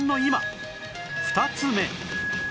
２つ目